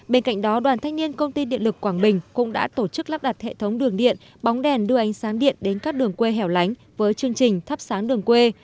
bên cạnh đó đoàn thanh niên công ty điện lực quảng bình cũng đã tổ chức lắp đặt hệ thống đường điện bóng đèn đưa ánh sáng điện đến các đường quê hẻo lánh với chương trình thắp sáng đường quê